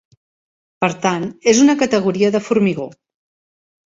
Per tant, és una categoria de formigó.